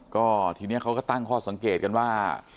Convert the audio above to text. ก็ทีนี้เขาก็ตั้งข้อสังเกตกันว่า